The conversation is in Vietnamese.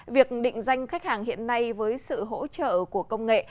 việc định danh khách hàng hiện nay với sự hỗ trợ của công nghệ